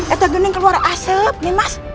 itu gini keluar asep nih mas